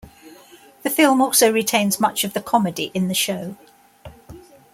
The film also retains much of the comedy in the show.